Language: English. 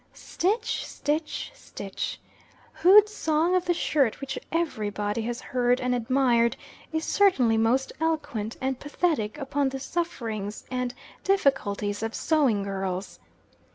Stitch! stitch! stitch! Hood's Song of the Shirt, which every body has heard and admired, is certainly most eloquent and pathetic upon the sufferings and difficulties of sewing girls.